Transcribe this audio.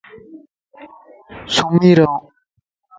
سُمي رَ وَ